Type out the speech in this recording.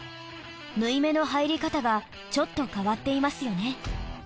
縫い目の入り方がちょっと変わっていますよね。